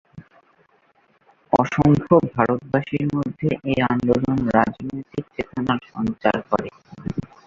অসংখ্য ভারতবাসীর মধ্যে এ আন্দোলন রাজনৈতিক চেতনার সঞ্চার করে।